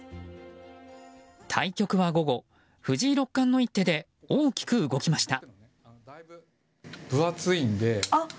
対局は午後、藤井六冠の一手で大きく動きました。